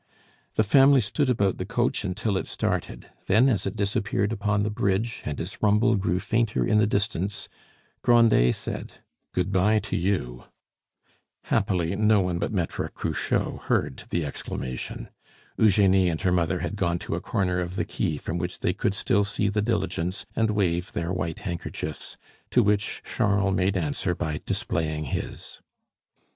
The family stood about the coach until it started; then as it disappeared upon the bridge, and its rumble grew fainter in the distance, Grandet said: "Good by to you!" Happily no one but Maitre Cruchot heard the exclamation. Eugenie and her mother had gone to a corner of the quay from which they could still see the diligence and wave their white handkerchiefs, to which Charles made answer by displaying his.